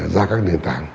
ra các nền tảng